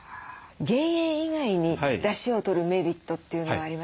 減塩以外にだしをとるメリットというのはありますか？